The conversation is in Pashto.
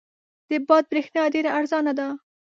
د باد برېښنا ډېره ارزانه ده.